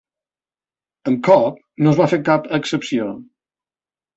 Amb Cobb no es va fer cap excepció.